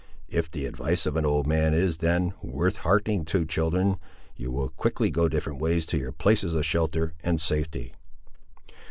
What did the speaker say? If the advice of an old man is, then, worth hearkening to, children, you will quickly go different ways to your places of shelter and safety."